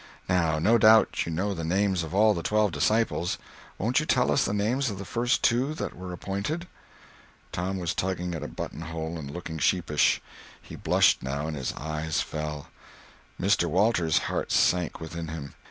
Now, no doubt you know the names of all the twelve disciples. Won't you tell us the names of the first two that were appointed?" Tom was tugging at a button hole and looking sheepish. He blushed, now, and his eyes fell. Mr. Walters' heart sank within him.